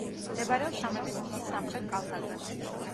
მდებარეობს სამების მთის სამხრეთ კალთაზე.